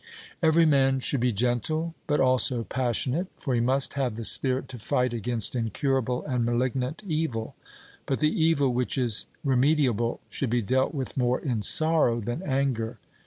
Every man should be gentle, but also passionate; for he must have the spirit to fight against incurable and malignant evil. But the evil which is remediable should be dealt with more in sorrow than anger.